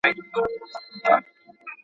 مالونه په ناحقه تصرف مه کوئ.